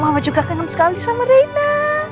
mama juga kangen sekali sama rina